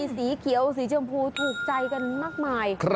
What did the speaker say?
สีเขียวสีชมพูถูกใจกันมากมาย